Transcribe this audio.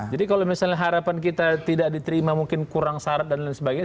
jadi kalau misalnya harapan kita tidak diterima mungkin kurang syarat dan lain sebagainya